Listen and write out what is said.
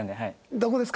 どこですか？